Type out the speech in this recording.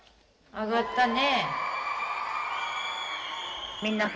あがったね。